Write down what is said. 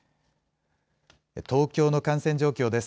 東京の感染状況です。